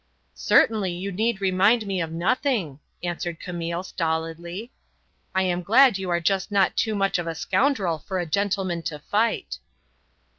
"Certainly, you need remind me of nothing," answered Camille, stolidly. "I am glad that you are just not too much of a scoundrel for a gentleman to fight."